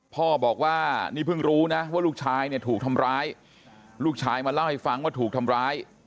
พ่อบอกว่านี่เพิ่งรู้นะว่าลูกชายเนี่ยถูกทำร้ายลูกชายมาเล่าให้ฟังว่าถูกทำร้าย